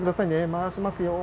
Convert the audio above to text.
回しますよ。